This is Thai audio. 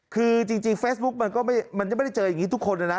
คือจริงจริงเฟซบุ๊คมันก็ไม่มันยังไม่ได้เจออย่างงี้ทุกคนนะนะ